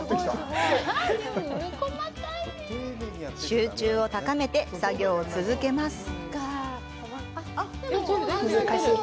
集中を高めて作業を続けます。